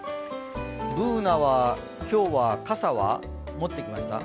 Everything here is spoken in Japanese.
Ｂｏｏｎａは今日は傘はもって来ました？